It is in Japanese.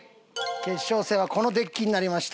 決勝戦はこのデッキになりました。